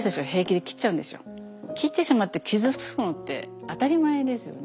切ってしまって傷つくのって当たり前ですよね。